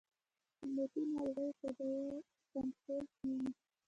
د نباتي ناروغیو کنټرول کیږي